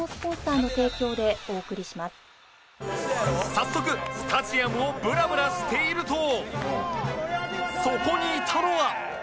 早速スタジアムをブラブラしているとそこにいたのは